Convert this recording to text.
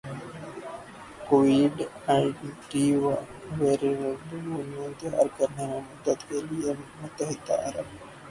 Covid anti viral دوائی تیار کرنے میں مدد کے لئے متحدہ عرب